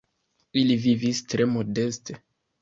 Ili vivis tre modeste.